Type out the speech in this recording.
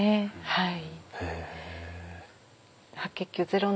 はい。